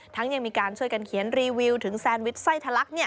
ยังมีการช่วยกันเขียนรีวิวถึงแซนวิชไส้ทะลัก